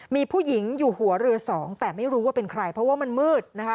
มีผู้หญิงอยู่หัวเรือสองแต่ไม่รู้ว่าเป็นใครเพราะว่ามันมืดนะคะ